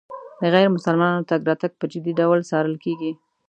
د غیر مسلمانانو تګ راتګ په جدي ډول څارل کېږي.